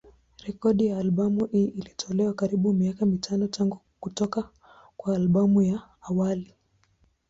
Rekodi ya albamu hii ilitolewa karibuni miaka mitano tangu kutoka kwa albamu ya awali.